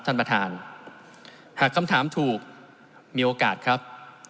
ท่านประธานหากคำถามถูกมีโอกาสครับ